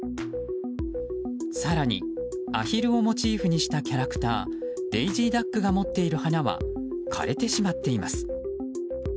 更に、アヒルをモチーフにしたキャラクターデイジーダックが持っている花は枯れてしまっています。